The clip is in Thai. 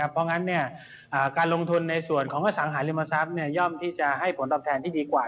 เพราะงั้นการลงทุนในส่วนของอสังหาริมทรัพย่อมที่จะให้ผลตอบแทนที่ดีกว่า